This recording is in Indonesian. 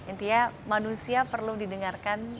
intinya manusia perlu didengarkan